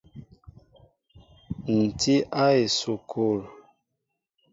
Ǹ tí a esukul.